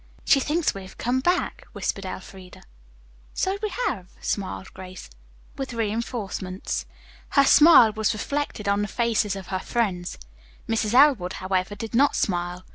"She thinks we have come back," whispered Elfreda. "So we have," smiled Grace, "with reinforcements." Her smile was reflected on the faces of her friends. Mrs. Elwood, however, did not smile.